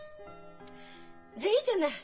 じゃあいいじゃない。